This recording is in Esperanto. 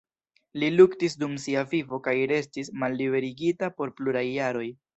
Li luktis dum sia vivo kaj restis malliberigita por pluraj jaroj.